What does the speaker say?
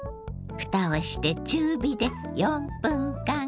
蓋をして中火で４分間。